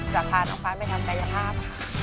จะพาน้องฟ้านไปทำกายภาพ